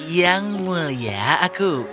yang mulia aku